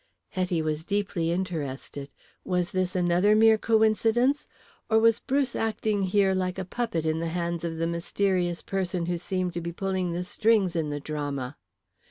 Hetty was deeply interested. Was this another mere coincidence or was Bruce acting here like a puppet in the hands of the mysterious person who seemed to be pulling the strings in the drama?